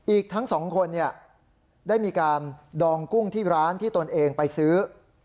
อีกทั้งสองคนได้มีการดองกุ้งที่ร้านที่ตนเองไปซื้อ